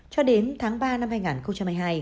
cho đến tháng ba năm hai nghìn hai mươi hai